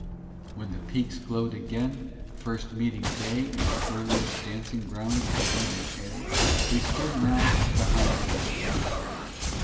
When the peaks glowed again, first meeting day in her earliest dancing grounds of filmy air, they stood now behind the wanderers.